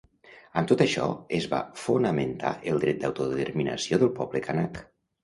Amb tot això es va fonamentar el dret d’autodeterminació del poble canac.